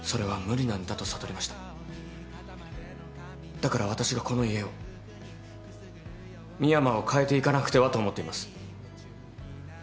だから私がこの家を深山を変えていかなくてはと思っています。